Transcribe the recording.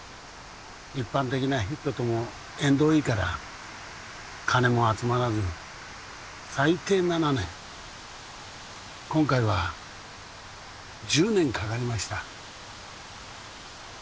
一般的なヒットとも縁遠いから金も集まらず最低７年今回は１０年かかりました